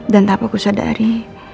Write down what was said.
dan tak apa ku sadari